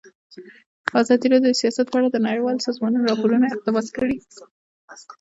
ازادي راډیو د سیاست په اړه د نړیوالو سازمانونو راپورونه اقتباس کړي.